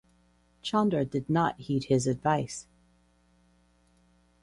Chandra did not heed his advice.